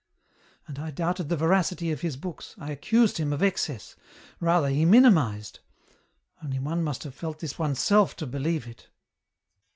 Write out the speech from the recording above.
" And I doubted the veracity of his books, I accused him of excess ; rather he minimized. Only one must have felt this oneself to believe it."